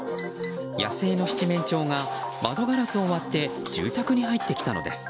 野生の七面鳥が窓ガラスを割って住宅に入ってきたのです。